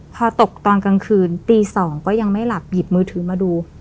พอตกตอนกลางคืนตี๒ก็ยังไม่หลับหยิบมือถือมาดู